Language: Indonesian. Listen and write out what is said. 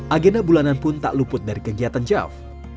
agenda bulanan pun tak luput dari kegiatan jav